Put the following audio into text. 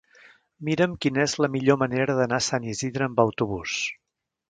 Mira'm quina és la millor manera d'anar a Sant Isidre amb autobús.